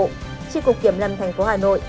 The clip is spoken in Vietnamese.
trị cục kiểm lâm thành phố hà nội